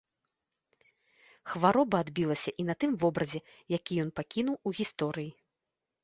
Хвароба адбілася і на тым вобразе, які ён пакінуў у гісторыі.